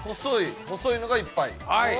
細いのがいっぱい。